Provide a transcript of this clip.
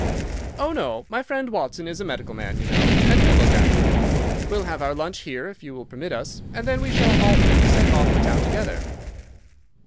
"Oh, no; my friend Watson is a medical man, you know, and he'll look after you. We'll have our lunch here, if you will permit us, and then we shall all three set off for town together."